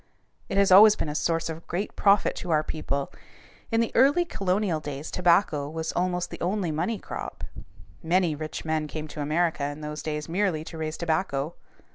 It has always been a source of great profit to our people. In the early colonial days tobacco was almost the only money crop. Many rich men came to America in those days merely to raise tobacco.